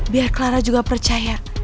biar clara juga percaya